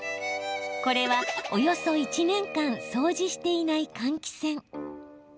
これは、およそ１年間掃除していない換気扇。